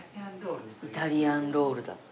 イタリアンロールだって。